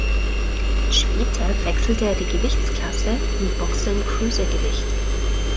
Später wechselte er die Gewichtsklasse und boxte im Cruisergewicht.